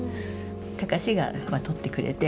孝が撮ってくれて。